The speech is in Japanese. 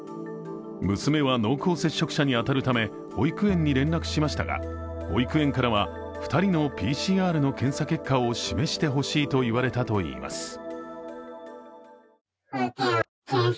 娘は濃厚接触者に当たるため保育園に連絡しましたが保育園からは２人のＰＣＲ検査の検査結果を示してほしいといわれたといいます。